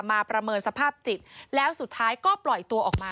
ประเมินสภาพจิตแล้วสุดท้ายก็ปล่อยตัวออกมา